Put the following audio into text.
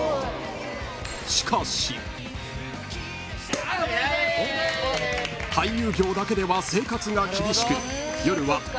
［しかし］［俳優業だけでは生活が厳しく］